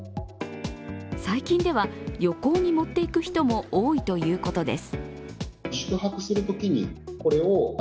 最近では旅行に持っていく人も多いということです。